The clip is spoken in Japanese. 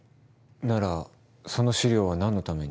ならその資料は何のために？